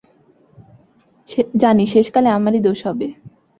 জানি শেষকালে আমারই দোষ হবে।